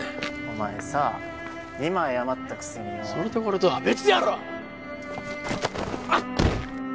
お前さ今謝ったくせによ。それとこれとは別やろ！